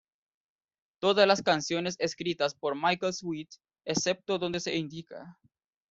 Todas las canciones escritas por Michael Sweet excepto donde se indica.